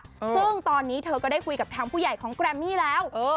ซึ่งตอนนี้เธอก็ได้คุยกับทางผู้ใหญ่ของแกรมมี่แล้วเออ